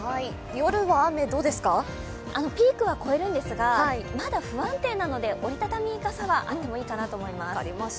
夜はピーク越えるんですがまだ不安定なので折り畳み傘はあっていいかなと思います。